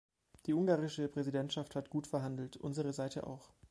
Die ungarische Präsidentschaft hat gut verhandelt, unsere Seite auch.